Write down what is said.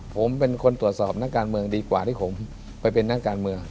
ผมเป็นคนตรวจสอบนักการเมืองดีกว่าที่ผมไปเป็นนักการเมือง